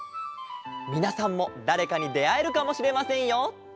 みなさんもだれかにであえるかもしれませんよ！